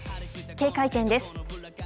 警戒点です。